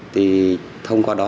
thì thông qua đó